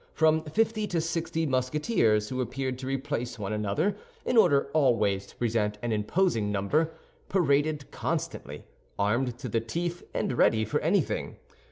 From fifty to sixty Musketeers, who appeared to replace one another in order always to present an imposing number, paraded constantly, armed to the teeth and ready for anything.